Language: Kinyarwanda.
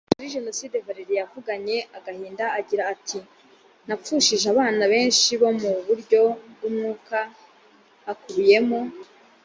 muri jenoside valerie yavuganye agahinda agira ati napfushije abana benshi bo mu buryo bw umwuka hakubiyemo